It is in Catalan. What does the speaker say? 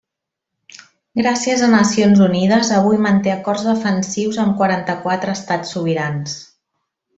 Gràcies a Nacions Unides, avui manté acords defensius amb quaranta-quatre estats sobirans.